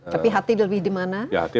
tapi hati lebih di mana ya hati